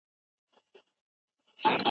که ملي عايد زيات نه سي، غربت به ډېر سي.